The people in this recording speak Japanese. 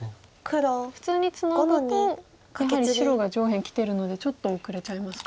普通にツナぐとやはり白が上辺きてるのでちょっと後れちゃいますか。